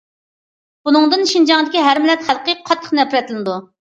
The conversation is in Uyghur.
بۇنىڭدىن شىنجاڭدىكى ھەر مىللەت خەلقى قاتتىق نەپرەتلىنىدۇ.